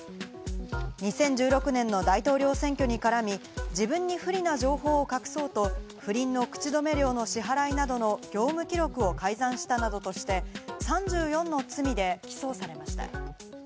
２０１６年の大統領選挙に絡み、自分に不利な情報を隠そうと不倫の口止め料の支払いなどの業務記録を改ざんしたなどとして、３４の罪で起訴されました。